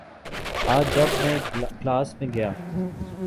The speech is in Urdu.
آج جب میں کلاس میں گیا